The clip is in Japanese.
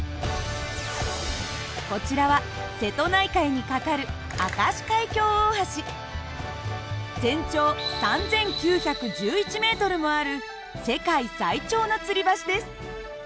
こちらは瀬戸内海に架かる全長３，９１１ｍもある世界最長のつり橋です。